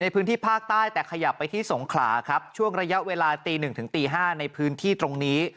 ในพื้นที่ภาคใต้แต่ขยับไปที่สงขลาครับช่วงระยะเวลาตี๑ถึงตี๕ในพื้นที่ตรงนี้